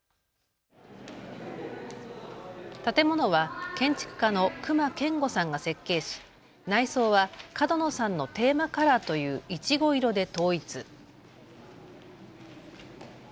建物は建築家の隈研吾さんが設計し内装は角野さんのテーマカラーといういちご色で統一。